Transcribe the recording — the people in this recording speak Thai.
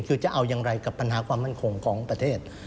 คือจะเอาอย่างไรกับปัญหาความมั่นคงของประเทศ